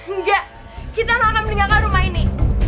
enggak kita gak akan meninggalkan rumah ini